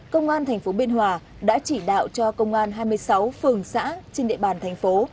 công an tp biên hòa đã chỉ đạo cho công an hai mươi sáu phường xã trên địa bàn thành phố